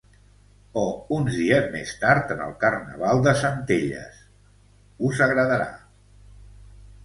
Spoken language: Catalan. O uns dies més tard, en el Carnaval de Centelles, us agradarà!